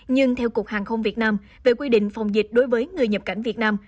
nhưng theo cục hàng không việt nam về quy định phòng dịch đối với người nhập cảnh việt nam